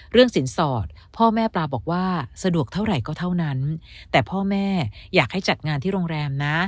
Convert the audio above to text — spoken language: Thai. สินสอดพ่อแม่ปลาบอกว่าสะดวกเท่าไหร่ก็เท่านั้นแต่พ่อแม่อยากให้จัดงานที่โรงแรมนะ